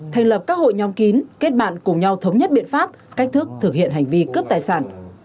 thành lập các hội nhóm kín kết bạn cùng nhau thống nhất biện pháp cách thức thực hiện hành vi cướp tài sản